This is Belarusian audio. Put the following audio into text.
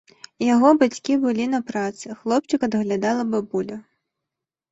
Яго бацькі былі на працы, хлопчыка даглядала бабуля.